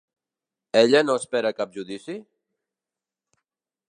Ella no espera cap judici?